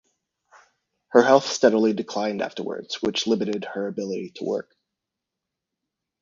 Her health steadily declined afterwards which limited her ability to work.